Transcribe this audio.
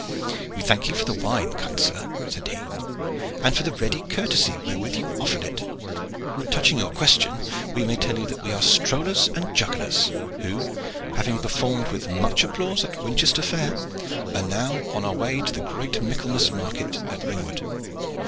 "We thank you for the wine, kind sir," said he, "and for the ready courtesy wherewith you offered it. Touching your question, we may tell you that we are strollers and jugglers, who, having performed with much applause at Winchester fair, are now on our way to the great Michaelmas market at Ringwood.